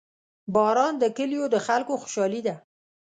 • باران د کلیو د خلکو خوشحالي ده.